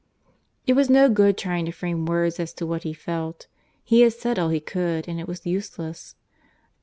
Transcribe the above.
It was no good trying to frame words as to what he felt. He had said all he could, and it was useless.